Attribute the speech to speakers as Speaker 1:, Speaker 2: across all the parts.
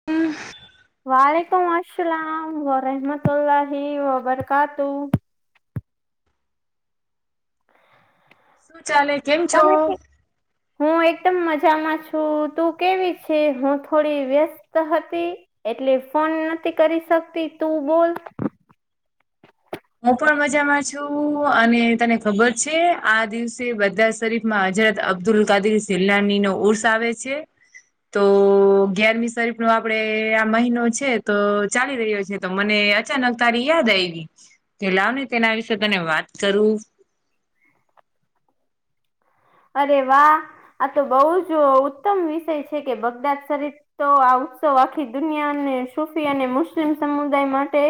Speaker 1: [inaudible]
Speaker 2: વાલેકુમ અસલામ [unintelligible]
Speaker 1: શું ચાલે કેમ છો
Speaker 2: તમે કે હું એકદમ મજામાં છું તું કેવી છે હું થોડી વ્યસ્ત હતી એટલે ફોન નથી કરી શકતી તું બોલ.
Speaker 1: હું પણ મજામાં છું અને તને ખબર છે આ દિવસે બધા શરીફ માં હઝરત અબ્દુલ કાદીર સિલાની નો ઉર્ષ આવે છે. તો ગિ્યયારમી શરીફ નો આપડે આ મહિનો છે તો ચાલી રહ્યો છે. તો મને અચાનક તારી યાદ આવી, કે લાવ ને તેના વિશે તને વાત કરું.
Speaker 2: અરે વાહ, આ તો બહુ જ ઉત્તમ વિષય છે કે બગદાદ શરીર તો આ ઉત્સવ આખી દુનિયાને સુફી અને મુસ્લિમ સમુદાય માટે.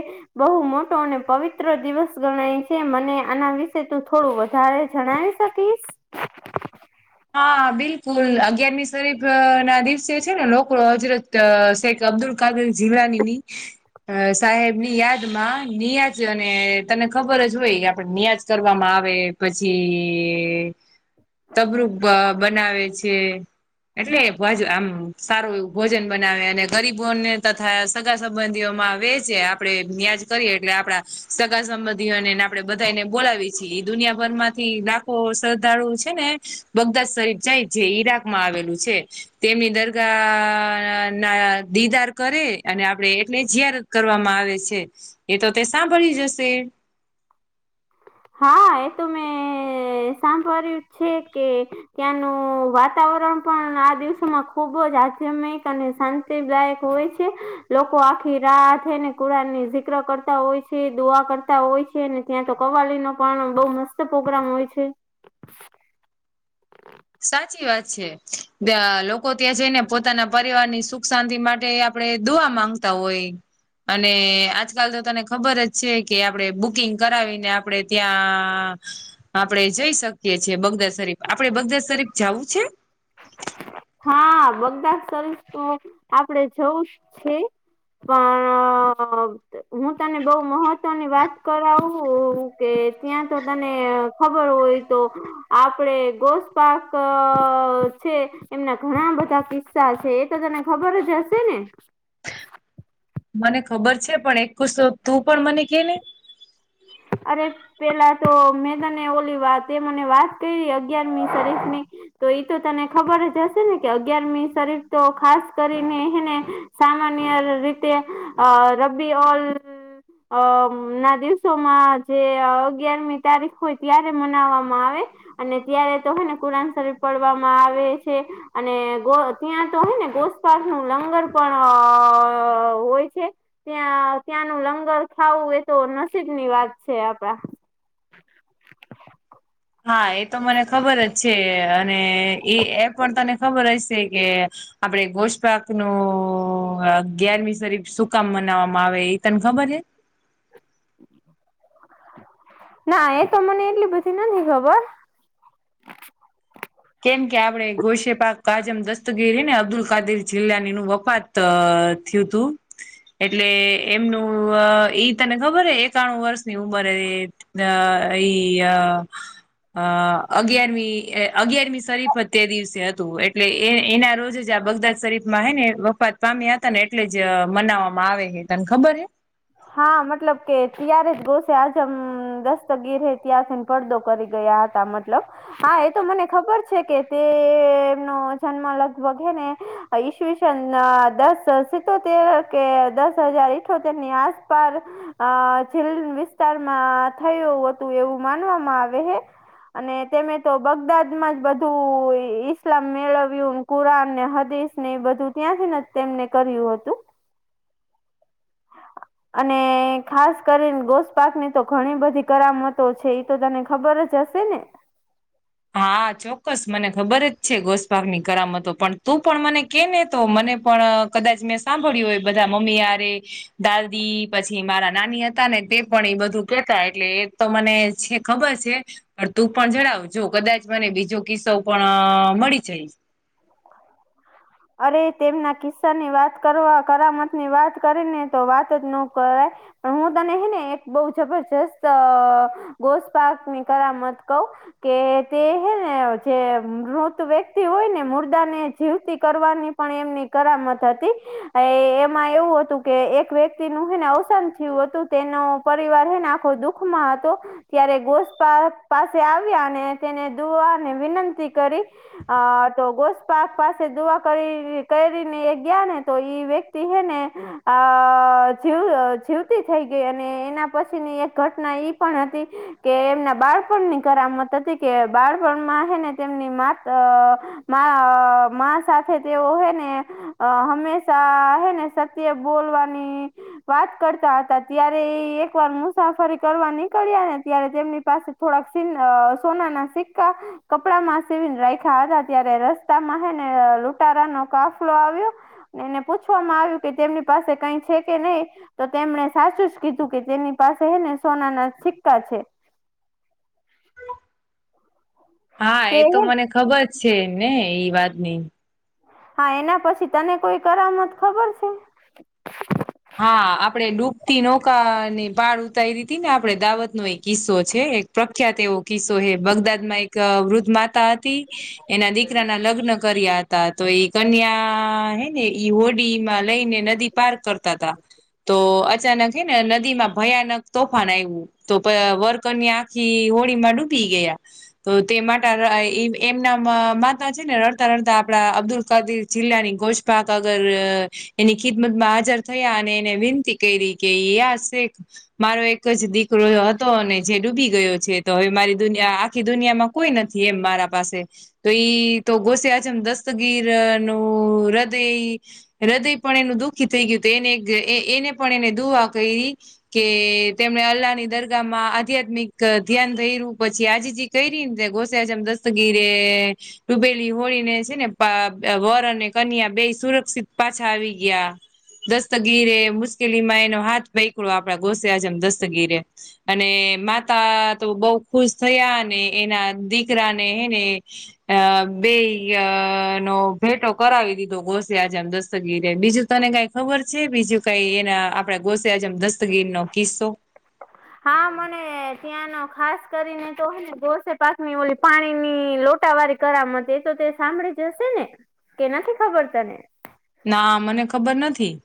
Speaker 2: બહુ મોટો અને પવિત્ર દિવસ ગણાય છે મને આના વિશે તું થોડું વધારે જણાઈશ. કીસ?
Speaker 1: હા બિલકુલ અગિયારમી શરીફ ના દિવસે છે ને નોકડ હજરજ અ શેખ અબ્દુલ કાદર જીવલાની ની. અ સાહેબ ની યાદમાં નિયાજ અને તને ખબર જ હોય આપણે નિયાજ કરવામાં આવે પછી તબર બ બનાવે છે. એટલે બાજુ આમ સારું એવું ભોજન બનાવે અને ગરીબોને તથા સગા સંબંધીઓમાં વેચે આપડે વ્યાજ કરીએ એટલે આપડા, સગા સંબંધીઓને આપડે બધાને બોલાવી છીએ દુનિયાભર માંથી લાખો શ્ર્ધાળુ છે ને. બગદાદ શરીફ જાય જે ઈરાક માં આવેલું છે. તેમની દરગાહ ના દિદાર કરે અને આપડે એટલે જ્યાર કરવામાં આવે છે, એ તો તે સાંભળી જશે.
Speaker 2: હા એ તો મેં સાંભળળ્યું છે કે ત્યાંનું વાતાવરણ પણ આ દિવસોમાં ખુબ જ આધ્યામિક અને શાંતિ તેલાયક હોય છે. લોકો આખી રાહ થઈને કુરાન ની જિક્ર કરતા હોય છે દુઆ કરતા હોય છે ત્યાં તો કવાલ ન પણ બહ મસ્ત પ્રગ્રામ હોય છે.
Speaker 1: સાચી વાત છે, લોકો ત્યાં જઈને પોતાના પરિવાર ની સુખ શાંતિ માટે આપણે દોવા માંગતા હોય. અને આજકાલ તો તને ખબર જ છે કે આપણે બુકિંગ કરાવીને આપડે ત્યાં, આપડે જઈ શકીએ છીએ બગદાદ શરીફ, આપડે બગદાદ શરીફ જવું છે?
Speaker 2: હા બગદાદ સરસ તો આપડે જવું જ છે. તમા હું તને બઉુ મહત્વની વાત કરાવ કે ત્યાં તો તને ખબર હોય તો, આપડે ગોસ્પક છે. એમના ઘણા બધા કિસ્સા છે એ તો તને ખબર જ હશે ને?
Speaker 1: મને ખબર છે પણ એક ખુશ તું પણ મને કે ને?
Speaker 2: અરે પેલા તો મેં તને ઓલી વાત મને વાત કરી અગિયારમી તરીખની. તો એ તો તને ખબર જ હશે ને કે અગિયારમી શરીફ તો ખાસ કરીને એને સામાન્ય રીતે, અ રબી ઓલ ના દિવસ. સમાં જે અગિયારમી તારીખ હોય ત્યારે મનાવવામાં આવે. અને ત્યારે તોને કુરાન શરીફ પડવામાં આવે છે. અને ગો ત્યાં તો હોય ને ગોસપાસ નું લંગર પણ હોય છે. ત્યાં ત્યાંનું લંગર ખાવું એ તો નસીબની વાત છે આપડા.
Speaker 1: હા એ તો મને ખબર જ છે અને એ એ પણ તને ખબર હશે કે આપડે ગોશપક નું અગિયારમી શરીફ સુકામ મનાવવામાં આવે એ તને ખબર છે?
Speaker 2: ના એ તો મને એટલી બધી નથી ખબર.
Speaker 1: કેમ કે આપડે ગોશેપક કાજમ દસ્તગીરીને અબ્દુલ કાદીર જિલ્લાની ન વફત અ થયું તું. એટલે એમનું ઈ તને ખબર હ એકાણું વર્ષની ઉંમરે. અ એ, આ અગિયારમી અગિયારમી શરીફ જ તે દિવસે હતું એટલે એ એના રોજ જ આ બગદાદ શરીફમાં હૈ ને વફત સ્વામી હતા ને એટલે જ મનાવવામાં આવે હ તને ખબર હે?
Speaker 2: હા મતલબ કે ત્યારે જ ગોસે આજમ દસ્તગી રહે ત્યાારથીને પડદો કરી ગયા હતા. મતલબ, હા એ તો મને ખબર છે કે તેનો જન્મ લગભગ હને ઈસવીસન દસ સિતતેર કે દસ હજાર ઇઠોતેરની આ પાસ. અ જેલ વિસ્તારમાં થયું હતું એવું માનવામાં આવે હે. અને તેમે તો બગદાદ માં જ બધું ઈસ્લામ મેળવ્યું. કુરાન ને હદીશ ને એ બધું ત્યાંથીને તેમને કર્યું હતું.
Speaker 1: [inaudible]
Speaker 2: અને ખાસ કરીને ગોસ્પકની તો ઘણી બધી કરામતો છે. તો તને ખબર જ હશે ને?
Speaker 1: હા ચોક્કસ મને ખબર જ છે ઘોસભાગની કરમતો પણ તું પણ મને કે ને તો મને પણ કદાચ મેં સાંભળ્યું હોય બધા મમ્મી યરે. દાદી પછી મારા નાની હતા ને તે પણ એ બધું કેતા એટલે એ તો મને છે ખબર છે, પણ તું પણ જણાવ. જો કદાચ મને બીજો કિસ્સો પણ મળી જાય.
Speaker 2: અરે તેમના કિસ્સા ની વાત કરવા કરામત ની વાત કરી ને તો વાત જ ન કરાય. પણ હું તને હે ને એક બહ જબરજસ્ત ગોસ્ પાકની કરામત કવ. કે તે હે ને જે મૃત વ્યક્તિ હોય ને. મુર્દા ને જીવતી કરવાની પણ એમની કરામત હતી, એ એમાં એવું હતું. કે એક વ્યક્તિ નું હેને અવસાન થયું હતું તેનો પરિવાર હેને આખો દુખમાં હતો. ત્યારે ગોસ્પા પાસે આવ્યા અને તેને દોવાને વિનંતી કરી. અ તો ગોસ્પક પાસે દુઆ કરી કરીને એ ગયા ને તો ઈ વ્યક્તિ હે ને. અ જીવ જીવતી થઈ ગઈ અને એના પછીની એક ઘટના ઈ પણ હતી. કે એમના બાળપણની કરમત હતી કે બાળપણમાં છે ને તેમની માત મા સાથે તેઓ હે ને, અ હંમેશા હે ને. તે બોલવાની. વાત કરતા હતા ત્યારે એ એક વાર મુસાફરી કરવા નીકળ્યા ને ત્યારે તેમની પાસે થોડાક સી સોના ના સિક્કા, કપડામાં સેવીને રાખ્યા હતા. ત્યારે રસ્તામાં હ ને લુંટારા નો કાફલો આવ્યો. એને પૂછવામાં આવ્યું કે તેમની પાસે કઈ છે કે નહી. તો તેમણે સાચું જ કીધું કે તેની પાસે હે ને સોના ના સિક્કા છે.
Speaker 1: હા એ
Speaker 2: તે
Speaker 1: તો મને ખબર જ છે એમને એ વાત નઈ.
Speaker 2: હા એના પછી તને કોઈ કરામત ખબર છે?
Speaker 1: હા આપડે ડૂબતી નૌકા ને ભાળ ઉતારી દીધી ને આપડે દાવત નો એક કિસ્સો છે. પ્રખ્યાત એવો કિસ્સો હે બગદાદ માં એક વૃદ્ધ માતા હતી, એના દીકરા ના લગ્ન કર્યા હતા તો એ કન્યા હેને હોડી માં લઈને નદી પાર્ક કરતા તો અચાનક હ ને નદીમાં ભયાનક તોફાન આવું. તો વર્કરની આંખી હોળી માં ડૂબી ગયા. તો તે માટે એમના માતા છે ને રડતા રડતા આપણા અબ્દુલ કદીર જિલ્લાની ગોજ પા અગર એની ખિદમત મા આજર. અને એને વિનંતી કરી કે યા શેખ. મારો એક જ દીકરો હતો અને જે ડૂબી ગયો છે તો હવે મારી દુનિયા આખી દુનિયામાં કોઈ નથી એમ મારા પાસે. તોઈ તો ગોસ્યા છેમ દસ્તગીર નું હૃદય એ. હૃદય પણ એનું દુઃખી થઈ ગયું હતું એને એને પણ એને દુઆ કરી, કે તેમણે અલ્લાહની દરગાહમાં આધ્યાત્મિક ધ્યાન ધઈર્યું પછી આજથી, કઈ રિંદ ગોસેજમ દસ્તગીરે, ડૂબેલી હોળીને છે, ને વર અને કન્યા બે સુરક્ષિત પાછા આવી ગયા. દસ્તગીરે મુશ્કેલીમાં એનો હાથ પૈકડો આપડા ઘોસે છેમ દસ્તગીરે, અને માતાતો બહુ ખુશ થયા અને એના દીકરાને એને, અબેય નો ભેટો કરાવી દીધો ઘોસી આજેમ દસ, દતગી બીજું તને કંઈ ખબર છે, બીજું કંઈ એના આપડા ગોસેજમ દસ્તગીરનો કિસ્સો,
Speaker 2: હા મને ત્યાંનો ખાસ કરીને તો હેને. ગોસે પાકની ઓલી પાણીની લોટાવાળી કરામત એ તોતે સાંભળી જ હશે ને, કે નથી ખબર તને,
Speaker 1: ના મને ખબર નથી,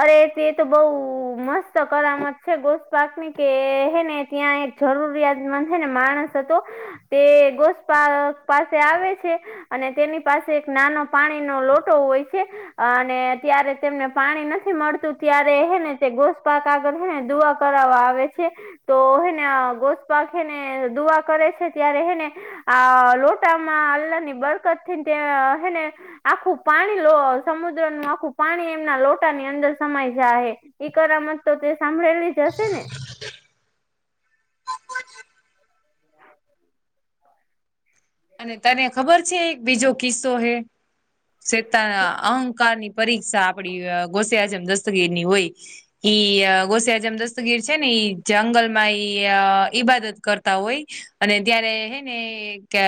Speaker 2: અરે તેતો બઉ મસ્ત કરામત છે, ગોશ પાક ની કેહે ને ત્યાં, જરૂરિયાત મંદ છે, ને માણસ હતો તે ગોસ્પા પાસે આવે છે. અને તેની પાસે એક નાનો પાણીનો લોટો હોય છે, અને ત્યારે તેમને. પાણી નથી મળતું ત્યારે હેને તે ગોસપાક આગળને દુઆ કરવા આવે છે, તો હેને ગોસપાક હેને દુઆ કરે છે, ત્યારે હેને. આ લોટામાં અલ્લાહ ની બરકત થઈને ત્યા હેને. આખું પાણી લો સમુદ્રનું આખું પાણી એમ, ના લોટાની અંદર સમાઈ જાય હેઈ કરમત તોતે સાંભળેલી જ હશેને,
Speaker 1: અને તને ખબર છે, બીજો કિસ્સો હે સેતાના અહંકારની પરીક્ષા આપડી ઘોસ્યા છે, એમ દસ્તગીની હોય. ઈ ગોસિયાર જેમ દસ્તગીર છે, નેઈ જંગલ ઈબાદત કરતા હોય અને ત્યારે હેને, કે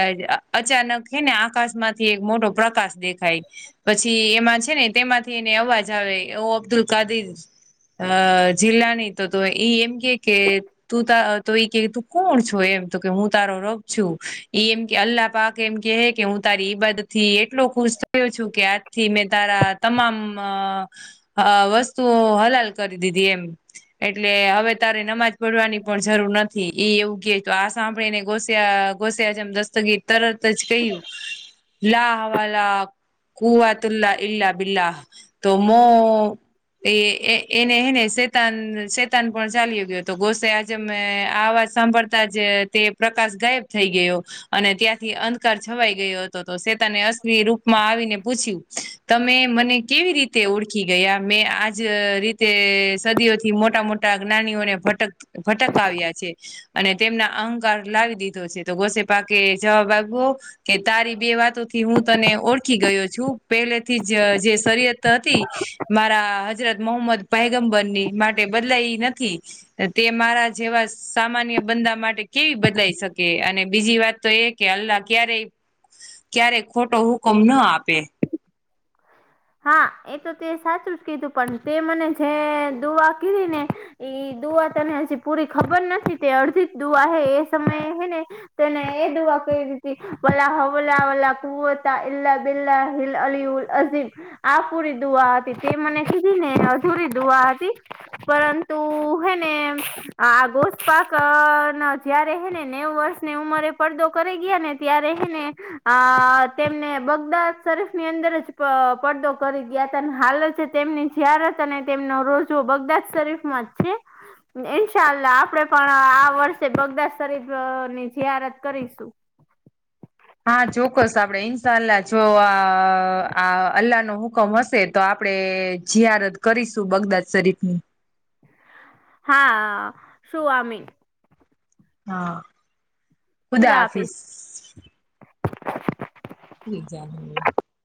Speaker 1: અચાનક હેને આકાશમાંથી એક મોટો પ્રકાશ દેખાય. પછી એમાં છે, ને તેમાંથી એને અવાજ આવે ઓ અબ્દુલકાદીર, અ જિલ્લાની તોતો ઈ એમ કે કે, તું તતો એકે તું કોણ છો, એમ તોકે હું તારો રપ છું, એ એમ કે અલ્લાહ પાક એમ કે કેહું તારી ઈબત થી એટલો ખુશ થયો છું, કે. થી મેં તારા તમામ અ વસ્તુઓ હલાલ કરી દીધી એમ, એટલે હવે તારે નમાજ પઢવાની પણ જરૂર નથી, એવું કેઆ સાંભળી ને ગોસ્યા ગઈ, જમ દસ્તગી તરત જ કહ્યું લા હવાલા, કૂવાત લલા બીલા, તોમો એ એને હેને શેતાન શેતાન પણ ચાલીયો ગયો હતો, તો ગોસે આજે આ અવાજ સાંભળતા જાતે પ્રકાશ ગાયબ થઈ ગયો. અને ત્યાંથી અંધકાર છવાઈ ગયો હતો, તો શેતાને અશિ રૂપમાં આવીને પૂછ્યું. તમે મને કેવી રીતે ઓળખી ગયા મેં આજ રીતે સદીઓથી મોટા મોટા, જ્ઞાનીઓને ભટક ભટકાવ્યા છે, અને તેમના અહંકાર લાવી દીધો છે. તકોસ પાખે જવાબ આપ્યો. કે તારી બે વાતોથી હું તને ઓળખી ગયો છું, પહેલેથી જજે શરીર હતી. મારા હજરત મોહમ્મદ પૈગંબરની માટે બદલાઈ નથી. તે મારા જેવા સામાન્ય બંદા માટે કેવી બદલાઈ શકે. અને બીજી વાતતો એકે અલ્લાહ ક્યારેય ક્યારેય ખોટો હુકમ ના આપે.
Speaker 2: હા એતો તે સાચું જ કીધું પણ તે મને જે દુઆ કી ને. એ દુઆ તને હજી પૂરી ખબર નથી, તે અડધી જ દુઆ હએ સમયે હને. તોને એ દવા કઈ રીવલા હવલા વલા કુવતા એલા બિલા હિલ અલી ઉલ અઝીઝ. આ પૂરી દુઆ હતી તે મને કીધી ને અધૂરી દુઆ હતી. પરંતુ હેને આ આ ગોશ પાક જયારે હે ને નેવ વર્ષની ઉંમરે પડદો કરી ગયા ને. ત્યાં રહીને, અ તેમને બગદાદ શરીફ ની અંદર જ પડદો કરી ગયા હતા હાલ છે તેમની જયારત અને તેમનો રોજો બગદાદ શરીફમાં જ છે. ઇન્શાલ્લા આપડે પણ આ વર્ષે બગદાદ શરીફ ની જહરત કરીશું.
Speaker 1: હા ચોક્કસ આપડે ઇન્શા અલ્લાહ જો આ આ અલ્લાહ નો હુકમ હશે તો આપડે જીઆારદ કરીશું બગદાદ શરીફની.
Speaker 2: હા શું અમીન.
Speaker 1: હા, ખુદા હાફિસ. ી જ. [unintelligible]